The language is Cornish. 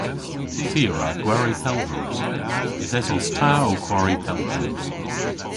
Ty a wra gwari pel droos. Yth esos ta ow kwari pel droos.